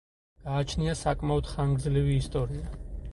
გააჩნია საკმაოდ ხანგრძლივი ისტორია.